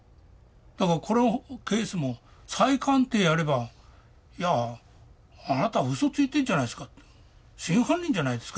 だからこのケースも再鑑定やれば「いやあなたうそついてるんじゃないですか」と「真犯人じゃないですか？」